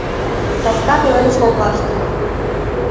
Саска пеледыш коклаште.